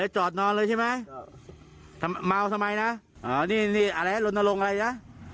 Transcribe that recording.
เลยจอดนอนเลยใช่ไหมมาวทำไมนะอ๋อนี่นี่อะไรรถนาลงอะไรนะ